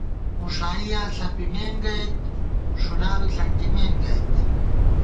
مُݭائیاں ݪپِمېن گئیت، ݭُنا بی ݪَنٹِمېن گئیت